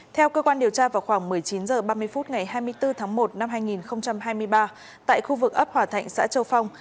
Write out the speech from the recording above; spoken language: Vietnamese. theo cơ quan điều tra vào khoảng một mươi chín h ba mươi phút ngày hai mươi bốn tháng một năm hai nghìn hai mươi ba tại khu vực ấp hòa thạnh xã châu phong